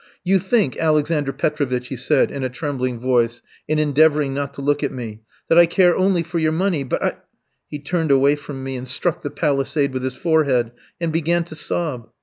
"You think, Alexander Petrovitch," he said, in a trembling voice, in endeavouring not to look at me, "that I care only for your money, but I " He turned away from me, and struck the palisade with his forehead and began to sob.